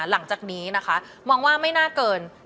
หลังจากนี้นะคะมองว่าไม่น่าเกิน